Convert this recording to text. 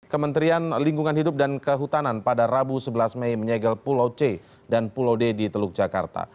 kementerian lingkungan hidup dan kehutanan pada rabu sebelas mei menyegel pulau c dan pulau d di teluk jakarta